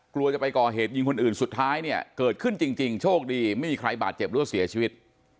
กลัวจะไปก่อเหตุยิงคนอื่นสุดท้ายเนี่ยเกิดขึ้นจริงโชคดีไม่มีใครบาดเจ็บหรือว่าเสียชีวิต